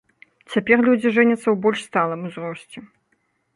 Цяпер людзі жэняцца ў больш сталым узросце.